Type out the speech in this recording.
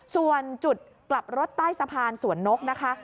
ส่วนจุดกลับรถใต้สะพานสวนนกนะคะ